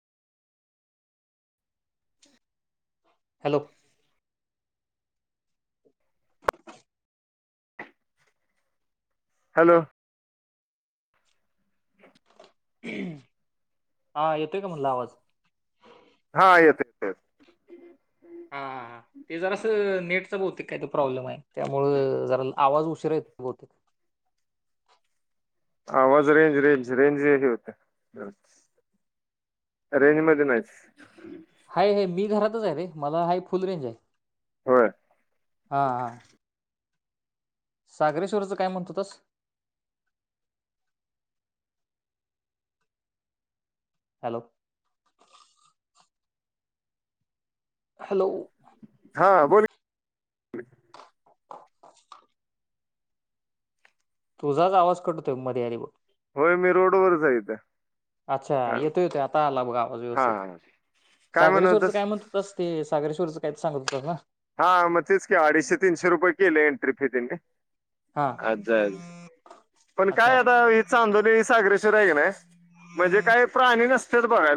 [inaudible] Hello. Hello. हा येतोय का म्हंटलं आवाज? हा येतोय [unintelligible] हा - हां - हां. ते जरा असं नेटच बहुतेक काय तर प्रॉब्लेम आहे. त्यामुळं जरा आवाज उशीरा येतो बहुतेक आवाज रेंज - रेंज- रेंज ह होते. रेंज मध्ये नाहीच. हाय आहेय मी घरातच आहे रे मला हाय फुल रेंज आहे. होय. हा -हा. सागरेश्वरचं काय म्हणतो तस? हॅलो. हॅलो. हा बोल. हा [unintelligible] तुझाच आवाज कटतोय मध्ये अध्ये बघ होय मी रोडवरच आहे इथं अच्छा हा येतोय का आता आला बघ आवाज व्यवस्थित. हा काय म्हण सागरेश्वरचं होतस काय म्हणत हुतास ते सागरे्वरचं फायतर सांगत हुतास ना. हा म तिच की अडीचशे तीनशे रुपये केले इंट्री फी त्यनी. हा अजाज पण काय अच्छा आता. चांदोली सागरे्वर हाय का नाय म्हणजे काय प्राणी नसत्यात बघायला